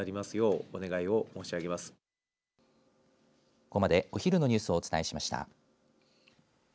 ここまでお昼のニュースをお伝えしました。